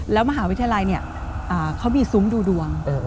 แล้วมหาวิทยาลัยเขามีซุ้มดูดวง